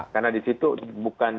karena di situ bukan